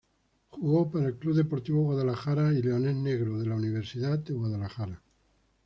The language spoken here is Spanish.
Jugó para el Club Deportivo Guadalajara y Leones Negros de la Universidad de Guadalajara.